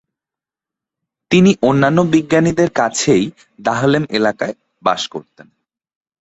তিনি অন্যান্য বিজ্ঞানীদের কাছেই দাহলেম এলাকায় বাস করতেন।